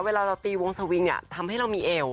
เวลาเราตีวงสวิงเนี่ยทำให้เรามีเอว